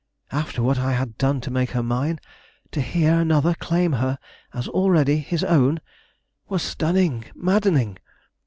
After what I had done to make her mine, to hear another claim her as already his own, was stunning, maddening!